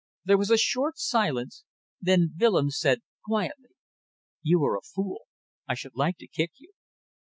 There was a short silence; then Willems said, quietly, "You are a fool. I should like to kick you."